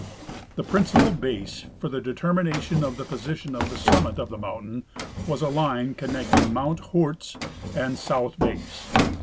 The principal base for the determination of the position of the summit of the mountain was a line connecting mount Hoorts and South base.